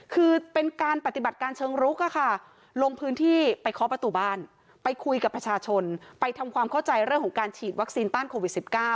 คือเป็นการปฏิบัติการเชิงรุกลงพื้นที่ไปเคาะประตูบ้านไปคุยกับประชาชนไปทำความเข้าใจเรื่องของการฉีดวัคซีนต้านโควิด๑๙